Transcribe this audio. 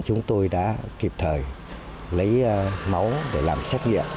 chúng tôi đã kịp thời lấy máu để làm xét nghiệm